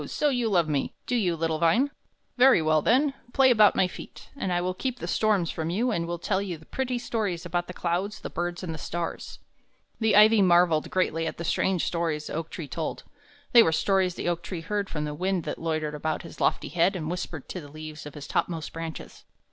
so you love me, do you, little vine? Very well, then; play about my feet, and I will keep the storms from you and will tell you pretty stories about the clouds, the birds, and the stars." The ivy marvelled greatly at the strange stories the oak tree told; they were stories the oak tree heard from the wind that loitered about his lofty head and whispered to the leaves of his topmost branches.